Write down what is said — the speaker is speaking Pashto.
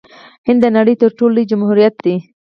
هند د نړۍ تر ټولو لوی جمهوریت دی.